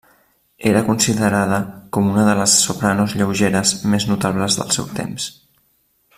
Era considerada com una de les sopranos lleugeres més notables del seu temps.